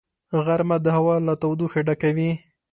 غرمه د هوا له تودوخې ډکه وي